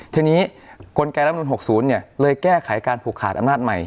ทีนี้กลไกรรับนูล๖๐เลยแก้ไขการผูกขาดอำนาจใหม่